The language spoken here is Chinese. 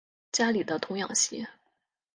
家里的童养媳